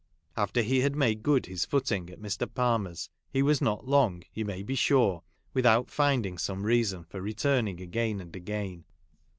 After he had made good his footing at Mr. Palmer's, he was not long, you may be sure, without finding some reason for returning again and again.